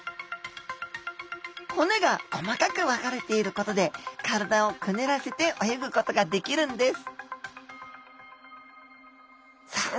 骨が細かく分かれていることで体をくねらせて泳ぐことができるんですさあ